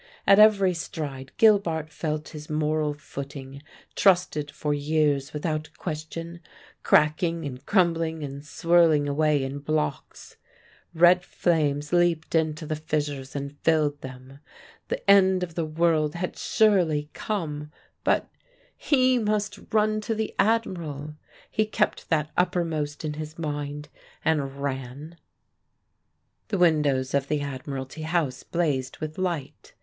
At every stride Gilbart felt his moral footing, trusted for years without question, cracking and crumbling and swirling away in blocks. Red flames leapt into the fissures and filled them. The end of the world had surely come; but he must run to the Admiral! He kept that uppermost in his mind, and ran. The windows of the Admiralty House blazed with light.